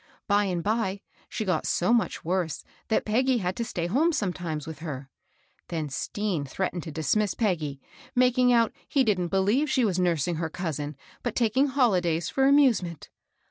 By and by she got so much worse that Peggy had to stay home sometimes with her. Then Stean threatened to dismiss Peggy, making out he didn't believe she was nursing her cousin, but taking hol idays for amusement.